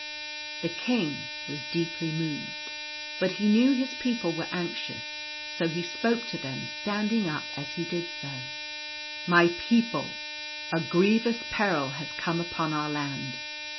The King was deeply moved, but he knew his people were anxious, so he spoke to them, standing up as he did so :—" My people, a grievous peril has come upon our Land.